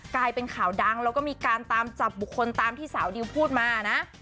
กลายเป็นข่าวดังแล้วก็มีการตามจับบุคคลตามที่สาวดิวพูดมานะ